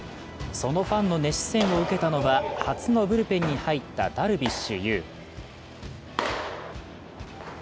そのファンの熱視線を受けたのは初のブルペンに入ったダルビッシュ有。